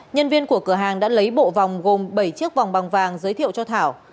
nhân viên của cửa hàng đã lấy bộ vòng gồm bảy chiếc vòng bằng vàng giới thiệu cho thảo